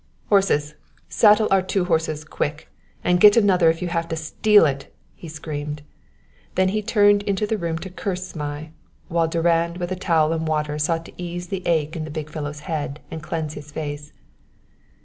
"Horses; saddle our two horses quick and get another if you have to steal it," he screamed. Then he turned into the room to curse Zmai, while Durand with a towel and water sought to ease the ache in the big fellow's head and cleanse his face.